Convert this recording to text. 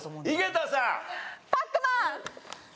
パックマン。